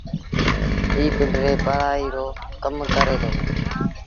ائيٚݩ پنڊري پڙهئيٚ رو ڪم ڪري دو